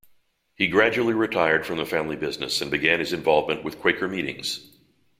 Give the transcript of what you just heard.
He gradually retired from the family business and began his involvement with Quaker meetings.